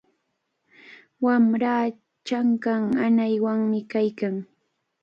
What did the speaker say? Wamraa chanka nanaywanmi kaykan.